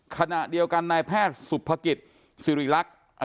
ขณะเดียวกันนายแพทย์สุภกิจสิริรักษ์